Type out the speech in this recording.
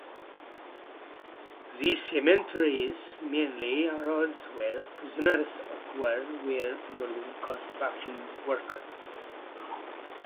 These cemeteries mainly arose where prisoners of war were involved in construction works.